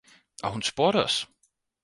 og hun spurgte os.